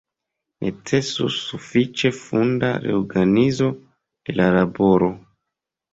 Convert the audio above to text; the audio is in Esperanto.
Necesus sufiĉe funda reorganizo de la laboro.